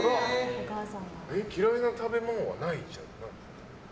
嫌いな食べ物はないの？